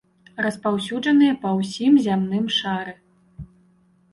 Распаўсюджаныя па ўсім зямным шары.